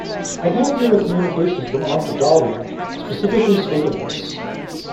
I have here a communication from Aunt Dahlia, specifically stating this.